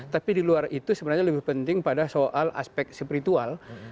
tapi di luar itu sebenarnya lebih penting pada soal aspek spiritual